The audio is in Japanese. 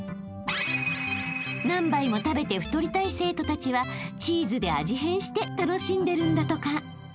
［何杯も食べて太りたい生徒たちはチーズで味変して楽しんでるんだとか］